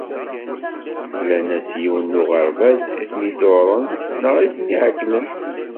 Mlan-as yiwen n urgaz i ten-iḍuṛṛen neɣ i ten-iɛekklen.